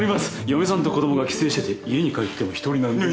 嫁さんと子供が帰省してて家に帰っても一人なんで。